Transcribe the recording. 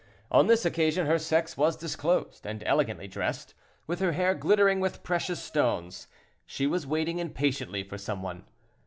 On this occasion her sex was disclosed, and, elegantly dressed, with her hair glittering with precious stones, she was waiting impatiently for some one.